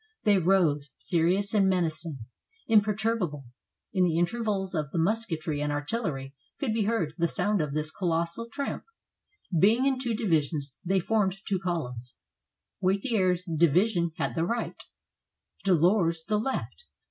They rose, se rious and menacing, imperturbable; in the intervals of the musketry and artillery could be heard the sound of this colossal tramp. Being in two divisions, they formed two columns; Wathier's division had the right, Delord's the left.